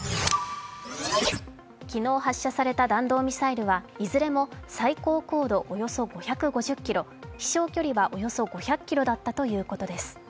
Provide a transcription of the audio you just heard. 昨日発射された弾道ミサイルは、いずれも最高高度およそ５５０ｋｍ、飛しょう距離はおよそ５００ｋｍだったということです。